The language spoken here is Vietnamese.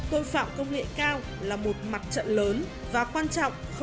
tội phạm công nghệ cao là một mặt trận lớn và quan trọng không kém đấu tranh với tội phạm ngoài đời thực